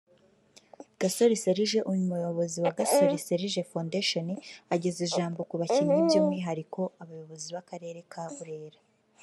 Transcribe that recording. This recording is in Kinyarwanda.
Gasore Serge umuyobozi wa 'Gasore Serge Foundation' ageza ijambo ku bakinnyi by'umwihariko abayobozi b'akarere ka Burera